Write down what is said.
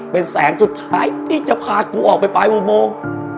เป็นแสงสุดท้ายที่จะพากูออกไปปลายอุโมง